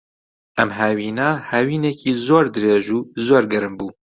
ئەم هاوینە، هاوینێکی زۆر درێژ و زۆر گەرم بوو.